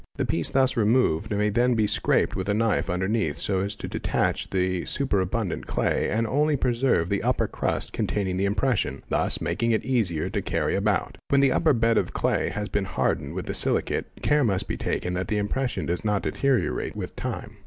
'The piece thus removed may then be scraped with a knife underneath so as to detach the superabundant — clay and only preserve the upper crust containing the impression—thus _ making it easier to carry about. When the upper bed of clay has been hardened with the silicate, care must be taken that the impression does — not deteriorate with time.